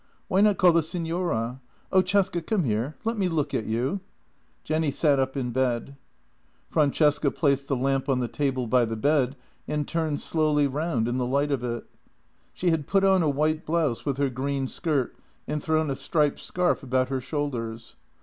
"Why not call the signora? Oh, Cesca, come here, let me look at you." Jenny sat up in bed. Francesca placed the lamp on the table by the bed and turned slowly round in the light of it. She had put on a white blouse with her green skirt and thrown a striped scarf about her shoulders.